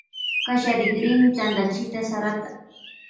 Kallarikrini tantachita sarata.